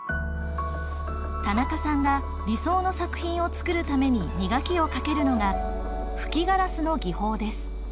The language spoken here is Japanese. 田中さんが理想の作品を作るために磨きをかけるのが吹きガラスの技法です。